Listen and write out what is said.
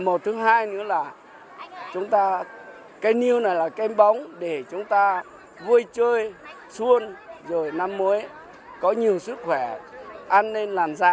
một thứ hai nữa là cây nêu này là cây bóng để chúng ta vui chơi xuân rồi năm mới có nhiều sức khỏe ăn nên làm ra